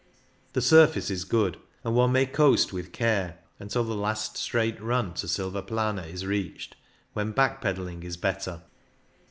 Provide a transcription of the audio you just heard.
The surface is good, and one may coast with care until the last straight run to Silvaplana is reached, when back pedalling is better.